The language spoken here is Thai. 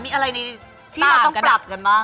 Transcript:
มีอะไรที่เราต้องปรับกันบ้าง